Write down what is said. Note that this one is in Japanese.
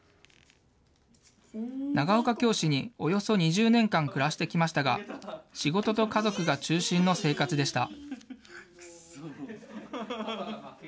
長岡京市におよそ２０年間暮らしてきましたが、仕事と家族が中心の生活でした。